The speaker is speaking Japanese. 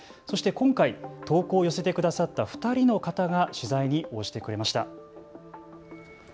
そして今回投稿を寄せてくださった２人の方が取材に応じてくれました。